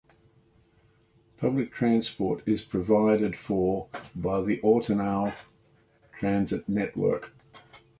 Public transport is provided for by the Ortenau transit network.